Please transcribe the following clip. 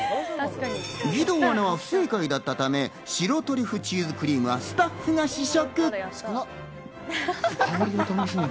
義堂アナは不正解だったため、白トリュフチーズクリームはスタッフが試食。